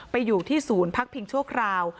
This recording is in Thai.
อยู่ที่ศูนย์พักพิงชั่วคราว